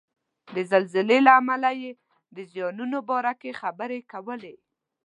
د زلزلې له امله یې د زیانونو باره کې خبرې کولې.